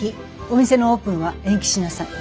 お店のオープンは延期しなさい。